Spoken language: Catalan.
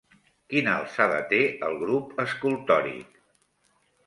Quina alçada té el grup escultòric?